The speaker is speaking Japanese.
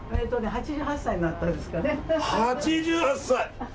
８８歳！